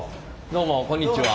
どうもこんにちは。